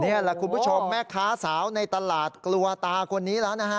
นี่แหละคุณผู้ชมแม่ค้าสาวในตลาดกลัวตาคนนี้แล้วนะฮะ